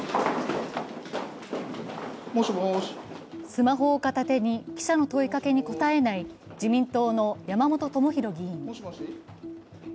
スマホを片手に記者の問いかけに答えない自民党の山本朋広議員。